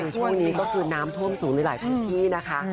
ช่วงนี้ก็คือน้ำท่วมสูงในหลายพื้นที่นะคะ